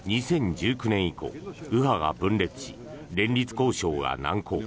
２０１９年以降右派が分裂し、連立交渉は難航。